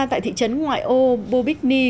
tại thị trấn ngoại ô bobigny